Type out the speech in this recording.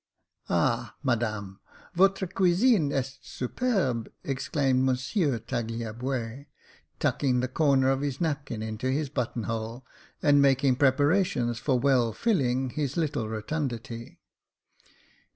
" Ah ! Madame, votre cuisine est superbe," exclaimed Monsieur Tagliabue, tucking the corner of his napkin into his button hole, and making preparations for well filling his little rotundity.